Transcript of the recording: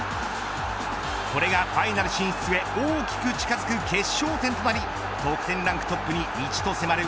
これがファイナル進出へ大きく近づく決勝点となり得点ランクトップに１と迫る